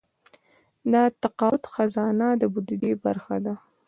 د تقاعد خزانه د بودیجې برخه ده